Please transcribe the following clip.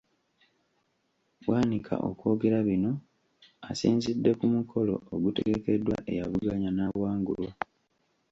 Bwanika okwogera bino asinzidde ku mukolo ogutegekeddwa eyavuganya n’awangulwa.